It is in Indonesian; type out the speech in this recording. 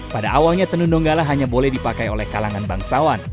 pada awalnya tenun donggala hanya boleh dipakai oleh kalangan bangsawan